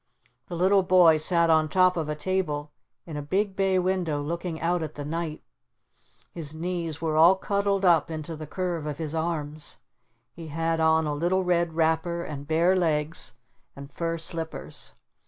The little boy sat on top of a table in a big bay window looking out at the night. His knees were all cuddled up into the curve of his arms. He had on a little red wrapper and bare legs and fur slippers.